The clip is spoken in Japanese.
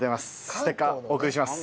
ステッカーお送りします。